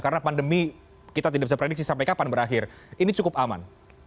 karena pandemi kita tidak bisa prediksi sampai kapan berakhir ini cukup aman